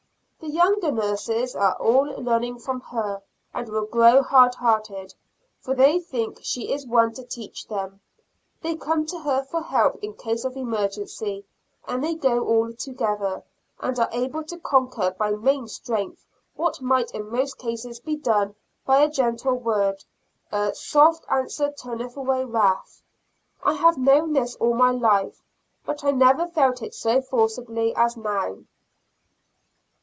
The younger nurses are all learning from her, and will grow hard hearted, for they think she is one to teach them; they come to her for help in case of emergency, and they go all together, and are able to conquer by main strength what might in most cases be done by a gentle word. "A soft answer turneth away wrath;" I have known this all my life, but I never felt it so forcibly as now.